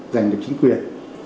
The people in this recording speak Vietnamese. giành được chính quyền